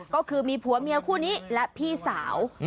ก็คือมีผัวเมียคู่นี้และพี่สาว